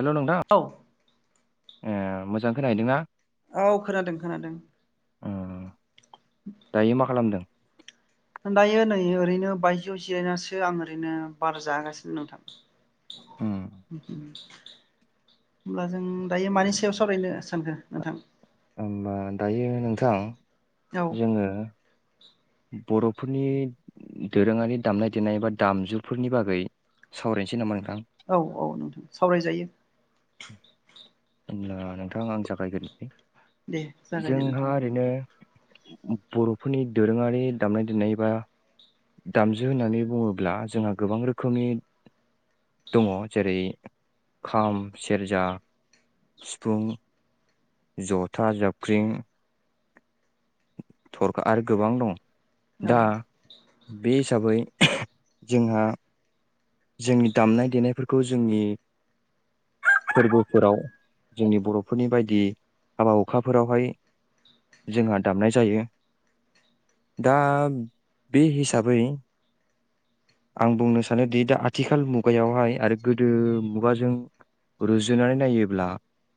Hello नोथां। औ ए मोजां खोनाहैदोंना? औ खोनादों खोनादों। उम दायो मा खालामदों? दायो नै ओरैनो बायजोआव जिरायनासो आं ओरैनो बार जागासिनो नोंथां। [inaudible] उम होमब्ला जों दायो मानि सायाव सावरायनो सानखो नोंथां होमबा दायो नोंथां औ जोङो बर'फोरनि दोरोङारि दामनाय देनाय बा दामजुफोरनि बागै सावरायनोसै नामा नोंथां औ औ नोंथां सावरायजायो होनब्ला नोंथां आं जागायगोरनि दे जागायदो जोंहा नोंथाङा ओरैनो बर'फोरनि दोरोङारि दामनाय देनाय बा दामजु होननानै बुङोब्ला जोंहा गोबां रोखोमनि दङ जेरै- खाम सेरजा सिफुं जथा जाबख्रिं थरखा आरो गोबां दं दा औ बे हिसाबै जोंहा जोंनि दामनाय देनायफोरखौ जोंनि फोरबोफोराव जोंनि बर'फोरनि बायदि हाबा हुखाफोरावहाय जोंहा दामनाय जायो दा बे हिसाबै आं बुंनो सानोदि दा आथिखाल मुगायावहाय आरो गोदो मुगाजों रुजुनानै नायोब्ला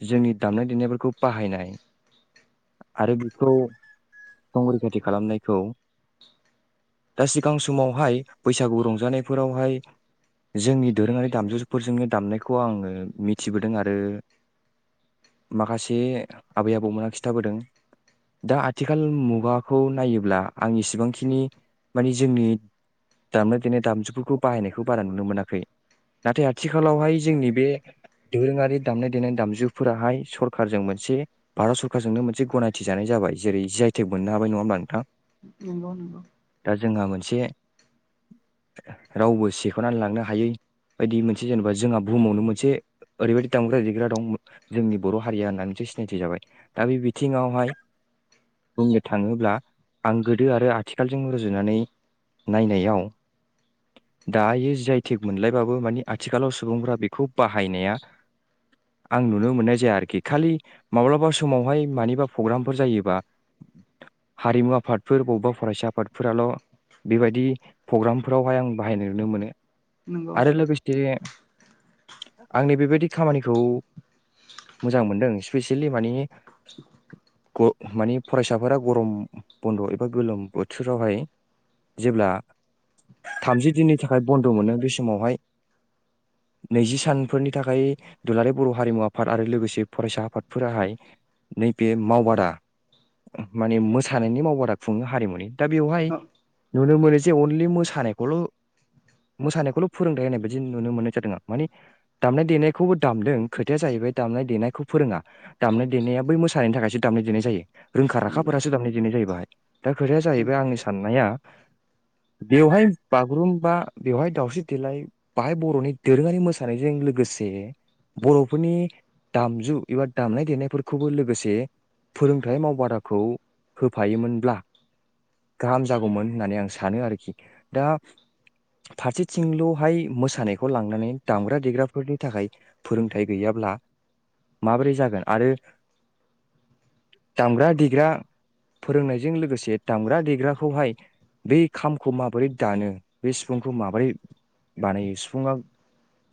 जोंनि दामनाय देनायफोरखौ बाहायनाय आरो बेखौ संरैखाथि खालामनायखौ दा सिगां समावहाय बैसागु रंजानायफोरावहाय जोंनि दोरोङारि दामजुफोरजोंनो दामनायखौ आङो मिथिबोदों आरो माखासे आबै आबौमोना खिन्थाबोदों दा आथिखाल मुगाखौ नायोब्ला आं इसेबांखिनि मानिे जोंनि दामनाय देनाय दामजुफोरखौ बाहायनाय खौ बारा नुनो मोनाखै नाथाय आथिखालावहाय जोंनि बे दोरोङारि दामनाय देनाय दामजुफोराहाय सरकारजों मोनसे भारत सरकारजोंनो मोनसे गनायथि जानाय जाबाय जेरै जि आइ टेक मोननो हाबाय नङा होमब्ला नोंथां नंगौ नंगौ दा जोंहा मोनसे रावबो स दिखांनानै लांनो हायै बायदि मोनसे जेनेबा जोंहा बुहुमावनो मोनसे ओरैबायदि दामग्रा देग्रा दं जोंनि बर' हारिया होननानै मोनसे सिनायथि जाबाय दा बे बिथिङावहाय बुंनो थाङोब्ला आं गोदो आरो आथिखालजों रुजुनानै नायनायाव दायो जि आइ टेक मोनलायबाबो मानि आथिखालाव सुबुंफोरा बेखौ बाहायनाया आं नुनो मोननाय जाया आरोखि खालि माब्लाबा समावहाय मानिबा प्रग्रामफोर जायोबा हारिमु आफादफोर बबेबा फरायसा आफादफोराल बेबायदि प्रग्रामफोरावहाय आं बाहायनो नो मोनो नंगौ आरो लोगोसे आंनि बेबायदि खामानिखौ मोजां मोनदों स्पेसियेलि मानिे मानिे ग मानेफरायसाफोरा गरम बन्द एबा गोलोम बोथोरावहाय जेब्ला थामजि दिननि थाखाय बन्द मोनो बे समावहाय नैजि सानफोरनि थाखाय दुलाराय बर हारिमु आफाद आरो लोगोसे फरायसा आफादफोराहाय नैबे मावबादा माने मोसानायनि मावबादा खुङो हारिमुनि दा बेवहाय औ नुनो मोनो जे अनलि मोस खानायखौल मोसानायखौल फोरोंथाय होनाय बायदि नुनो मोननाय जादों आं माने दामनाय देनायखौबो दामदों खोथाया जाहैबाय दामनाय देनायखौ फोरोङा दामनाय देनाया बै मोसानायानि थाखायसो दामनाय देनाय जायो रोंखा नंगौ राखाफोरासो दामनाय देनाय जायो बाहाय दा खोथाया नंगौ औ जाहैबाय आंनि साननाया बेवहाय बागुरुम बा बेवहाय दावस्रि देलाय बाहाय बर'नि दोरोङारि मोसानायजों लोगोसे बर'फोरनि दामजु एबा दामनाय देनायफोरखौबो लोगोसे फोरोंथाइ मावबादाखौ होफायोमोनब्ला गाहाम जागौमोन होननानै आं सानो आरोखि दा फारसेथिंल'हाय मोसानायखौ लांनानै दामग्रा देग्राफोरनि थाखाय फोरोंथाइ गैयाब्ला माबोरै जागोन आरो दामग्रा देग्रा फोरोंनायजों लोगोसे दामग्रा देग्राखौहाय बै खामखौ माबोरै दानो बे सिफुंखौ माबोरै बानायो सिफुङा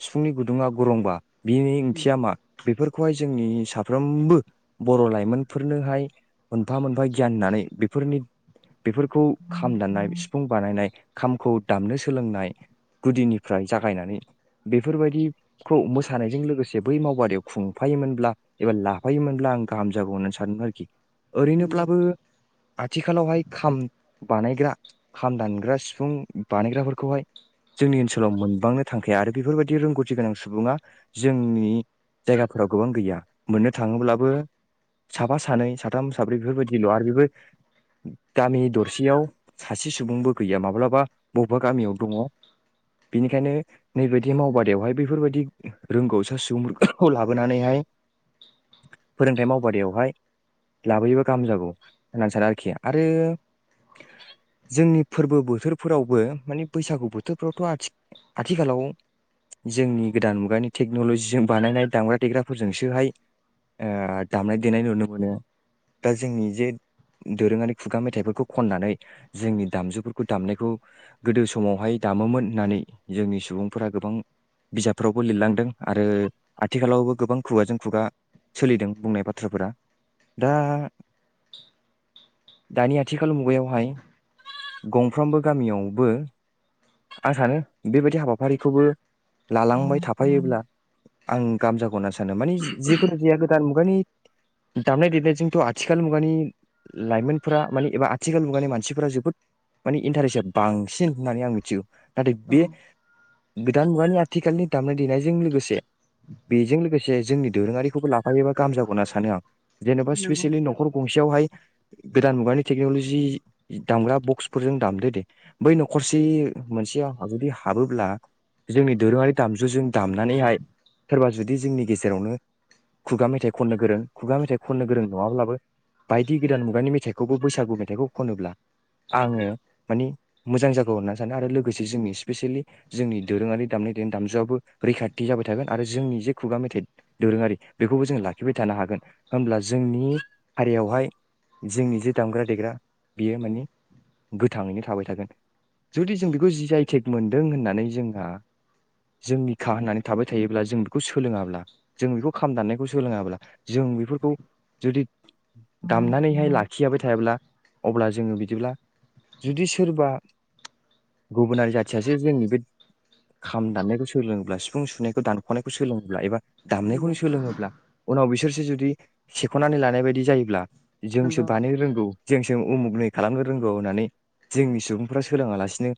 सिफुंनि गुदुङा गरंबा बिनि ओंथिया मा बेफोरखौहाय जोंनि साफ्रोमबो बर' लाइमोनफोरनोहाय मोनफा मोनफा गियान होनानै बेफोरनि बेफोरखौ खाम दाननाय सिफुं बानायनाय खामखौ दामनो सोलोंनाय गुदिनिफ्राय जागायनानै बेफोरबायदिखौ मोसानायजों लोगोसे बै मावबादायाव खुंफायोमोनब्ला एबा लाफायोमोनब्ला आं गाहाम जागौ होननानै सानदों आरोखि नंगौ ओरैनोब्लाबो आथिखालावहाय खाम बानायग्रा खाम दानग्रा सिफुं बानायग्राफोरखौहाय जोंनि ओनसोलाव मोनबांनो थांखाया आरो बेफोरबायदि रोंगौथि गोनां सुबुङा जोंनि जायगाफोराव गोबां गैया मोननो थाङोब्लाबो साफा सानै साथाम साब्रै बेफोरबायदिल' आरो बेबो गामि दरसेयाव सासे सुबुंबो गैया माब्लाबा बबेबा गामियाव दङ बेनिखायनो नैबादि मावबादायावहाय बेैफोरबायदि रोंगौसा सुबुंफोरखौ लाबोनानैहाय फोरोंथाइ मावबादायावहाय लाबोयोबा गाहाम जागौ होननानै सानो आरोखि आरो जोंनि फोरबो बोथोरफोराव बो माने बैसागु बोथोरफ्रावथ' आथि आथिखालाव जोंनि गोदान मुगानि टेक्न'लजिजों बानायनाय दामग्रा देग्राफोरजोंसोहाय दामनाय देनाय नुनो मोनो दा जोंनि जे दोरोङारि खुगा मेथाइफोरखौ खननानै जोंनि दामजुफोरखौ दामनायखौ गोदो समावहाय दामोमोन होननानै जोंनि सुबुंफोरा गोबां बिजाबफोरावबो लिरलांदों आरो आथिखालावबो गोबां खुगाजों खुगा सोलिदों बुंनाय बाथ्राफोरा दा दानि आथिखाल मुगायावहाय गंफ्रामबो गामियावबो आं सानो बेबायदि हाबाफारिखौबो लालांबाय थाफायोब्ला आं गाहाम जागौ होनना सानो माने जि-जिखुनु जाया गोदान मुगानि दामनाय देनायजोंथ' आथिखाल मुगानि लाइमोनफोरा माने एबा आथिखाल मुगानि मानसिफोरा जोबोद माने इन्टारेस्टजोब बांसिन होननानै आं मिथिगौ नाथाय बे गोदान मुगानि आथिखालनि दामनाय देनायजों लोगोसे बेजों लोगोसे जोंनि दोरोङारिखौबो लाफायोबा गाहाम जागौ होनना सानो आं जेनेबा नंगौ स्पेसिएलि नखर गंसेयावहाय गोदान मुगानि टेक्न'लजि दामग्रा बक्सफोरजों दामदो दे बै नखरसे मोनसेयावहा जुदि हाबोब्ला जोंनि दोरोङारि दामजुजों दामनानैहाय सोरबा जुदि जोंनि गेजेरावनो खुगा मेथाइ खननो गोरों खुगा मेथाइ खननो गोरों नङाब्लाबो बायदि गोदान मुगानि मेथाइखौबो बैसागु मेथाइखौ खनोब्ला आङो मानि मोजां जागौ होनना सानो आरो लोगोसे जोंनि स्पेसियेलि जोंनि दोरोङारि दामनाय देनाय दामजुआबो रैखाथि जाबाय थागोन आरो जोंनि जे खुगा मेथाइ दोरोङारि बेखौबो जों लाखिबाय थानो हागोन होमब्ला जोंनि हारियावहाय जोंनि जे दामग्रा देग्रा बेयो मानि गोथाङैनो थाबाय थागोन जुदि जों बेखौ जि आयटेक मोन्दों होननानै जोंहा जोंनिखा होननानै थाबाय थायोब्ला जों बेखौ सोलोङाब्ला जों बेखौ खाम दामनायखौ सोलोङाब्ला जों बेफोरखौ जुदि दामनानैहाय लाखियाबाय थायाब्ला अब्ला जोङो बिदिब्ला जुदि सोरबा गुबुनारि जाथियासो जोंनि बे खाम दामनायखौ सोलोङोब्ला सिफुं सुनायखौ दानख'नायखौ सोलोङोब्ला एबा दामनायखौनो सोलोङोब्ला उनाव बिसोर जुदि सेख'नानै लानाय बायदि जायोब्ला नंगौ जोंसो बानायनो रोंगौ जोंसो उमुगनै खालामनो रोंगौ होननानै जोंनि सुबुंफोरा सोलोङालासिनो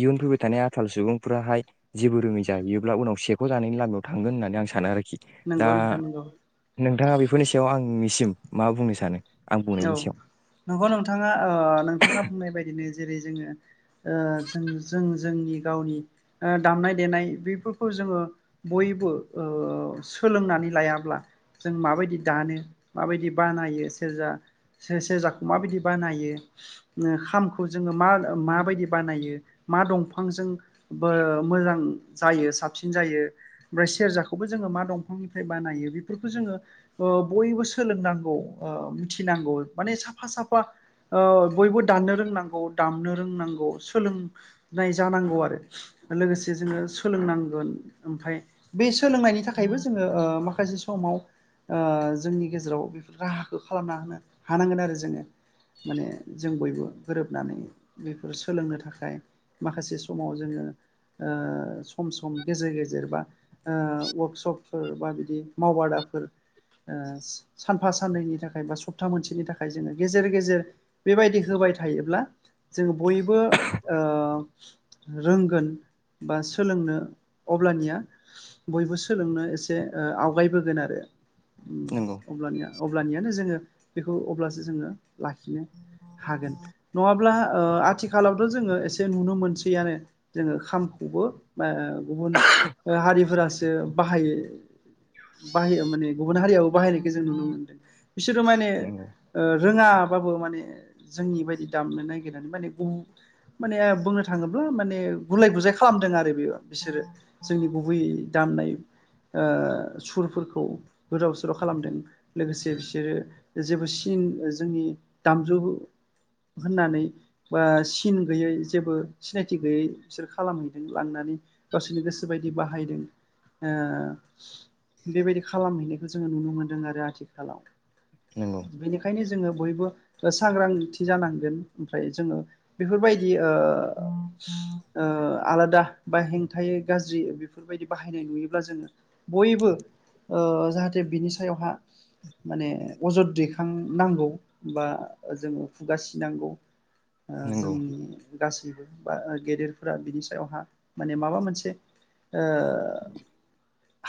इयुन फैबाय थानाय आथाल सुबुंफोराहाय जेबो रोङै जाहैयोब्ला उनाव सेखौ जानायनि लामायाव थांगोन होननानै आं सानो आरोखि दा नंगौ नोंथां नंगौ नोंथाङा बे बेफोरनि सायाव आंनिसिम मा बुंनो सानो? आं औ बुंनायनि सायाव नोंगौ नोंथाङा ओ नोंथाङा बुंनाय बायदिनो जेरै जोङो ओ जों जों जोंनि गावनि दामनाय देनाय बेफोरखौ जोङो बयबो ओ सोलोंनानै लायाब्ला जों माबायदि दानो माबायदि बानायो सेरजा सेरजाखौ माबायदि बानायो ओ खामखौ जोङो मा माबायदि बानायो मा दंफांजों मोजां जायो साबसिन जायो ओमफ्राय सेरजाखौबो जोङो मा दंफांनिफ्राय बानायो बेफोरखौ जोङो बयबो सोलोंनांगौ। मिथिनांगौ माने साफा साफा ओ बयबो दाननो रोंनांगौ दामनो रोंनांगौ सोलोंनाय जानांगौ आरो लोगोसे जोङो सोलोंनांगोन ओमफ्राय बे सोलोंनायनि थाखायबो जोङो ओ माखासे समाव ओ जोंनि गेजेराव बेफोर राहाखौ खालामना होनो हानांगोन आरो जोङो माने जों बयबो गोरोबनानै बेफोर सोलोंनो थाखाय माखासे समाव जोङो ओ सम सम गेजेर गेजेर बा ओ वर्कसप फोर बादि मावबादाफोर ओ सानफा साननैनि थाखाय सप्ता मोनसेनि थाखाय जोङो गेजेर गेजेर बेबायदि होबाय थायोब्ला जों बयबो ओ रोंगोन बा सोलोंनो अब्लानिया बयबो सोलोंनो एसे आवगायबोगोन आरो नंगौ अब्लानिया अब्लानिया जोङो बेखौ अब्लासो जोङो लाखिनो हागोन नङाब्ला ओ आथिखालावथ' जोङो एसे नुनो मोनसैयानो जोङो खामखौबो गुबुन हारिफोरासो बाहायो बाहायो माने गुबुन हारियो बाहायनायखौ जों नुनो मोनदों बिसोरो माने नंगौ ओ रोङाबाबो माने जोंनि बायदि दामनो नागिरनानै माने गुब माने बुंनो थाङोब्ला माने गुलाय गुजाय खालामदों आरो बे बिसोरो जोंनि गुबै दामनाय ओ सुरफोरखौ गोदाव सोराव खालामदों लोगोसे बिस बिसोरो जेबो सिन जोंनि दामजु होननानै बा सिन गैयै जेबो सिनायथि गैयै बिसोर खालामहैदों लांनानै गावसोरनि गोसो बायदि बाहायदों ओ बेबायदि खालामहैनायखौ जोङो नुनो मोन्दों आरो आथिखालाव नंगौ बेनिखायनो जो जों बयबो सांग्रांथि जानांगोन ओमफ्राय जोङो बेफोरबायदि ओ ओ आलादा बा हेंथायै गाज्रि बेफोरबायदि बाहायनाय नुयोब्ला जोङो बयबो ओ जाहाथे बिनि सायावहा माने अजद दैखांनांगौ बा जोङो खुगा सिनांगौ। ओ नंगौ जोंनि गासैबो बा आ गेदेरफोरा बिनि सायावहा माने माबा मोनसे ओ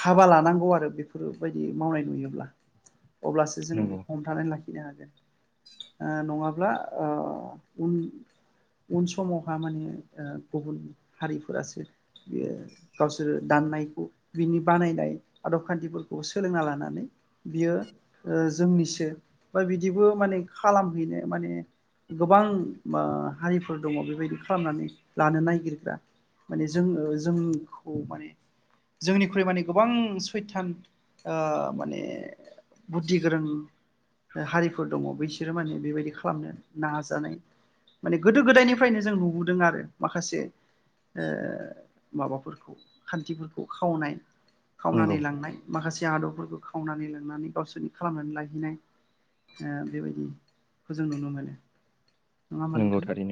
हाबा लानांगौ आरो बेफोरबायदि मावनाय नुयोब्ला अब्लासो जोङो नंगौ बेखौ हमथानानै लाखियो बिनो हागोन आ नङाब्ला आ उन उन समावहा माने गुबुन हारिफोरासो बि गावसोरो दाननायखौ बिनि बानायनाय आदब खान्थिफोरखौ सोलोंना लानानै बियो ओ जोंनिसो बा बिदिबो माने खालामहैनो माने गोबां माहारिफोर दङ बेबायदि खालामनानै लानो नागिरग्रा माने जों ओ जोंखौ माने जोंनिख्रुइ माने गोबां सैथान आ माने बुद्धि गोरों ओ हारिफोर दङ बैसोरो माने बेबायदि खालामनो नाजानाय माने गोदो गोदायनिफ्रायनो जों नुबोदों आरो माखासे ओ माबाफोरखौ खान्थिफोरखौ खावनाय खावनानै नंगौ लांनाय माखासे आदबफोरखौ बो खावनानै लांनानै गावसोरनि खालामनानै लाहैनाय ओ बेबायदि खौ जों नुनो मोनो नङा होमबा नंगौ नोंथां थारैनो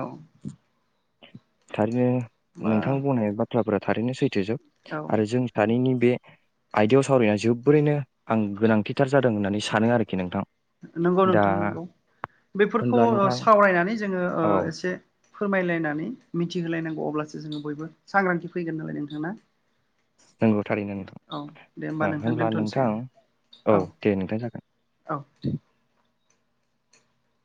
औ थारैनो बा नोंथां बुंनाय बाथ्राफ्रा थारैनो सैथोजोब औ आरो जों सानैनि बे आयदायाव सावरायनाया जोबोरैनो आं गोनांथिथार जादों होननानै सानो आरोखि नोंथां नंगौ दा नोंथां नंगौ बेफोरखौ होनब्ला नोंथां सावरायनानै जोंङो ओ औ एसे फोरमायलायनानै मिथिहोलायनांगौ अब्लासो जोंङो बयबो सांग्रांथि फैगोन नालाय नोंथां नोंगौ थारैनो नोंथां औ दे होमबा आ नोंथां होनब्ला दोनथ'नोसै नोंथां औ औ दे नोंथां जागोन औ